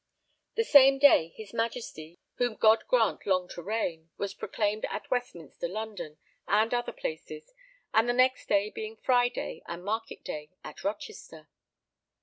The same day his Majesty, whom God grant long to reign, was proclaimed at Westminster, London, and other places, and the next day, being Friday and market day, at Rochester.